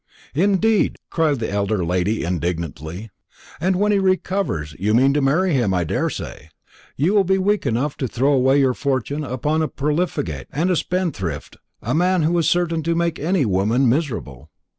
"Indeed!" cried the elder lady, indignantly; "and when he recovers you mean to marry him, I daresay. You will be weak enough to throw away your fortune upon a profligate and a spendthrift, a man who is certain to make any woman miserable."